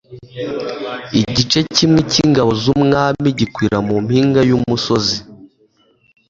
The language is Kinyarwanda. igice kimwe cy'ingabo z'umwami gikwira mu mpinga y'umusozi